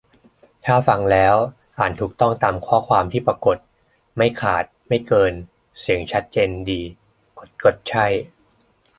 - ถ้าฟังแล้ว อ่านถูกต้องตามข้อความที่ปรากฏ ไม่ขาด ไม่เกิน เสียงชัดเจนดี กด "ใช่"